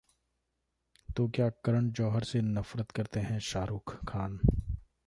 ...तो क्या करण जौहर से नफरत करते हैं शाहरुख खान!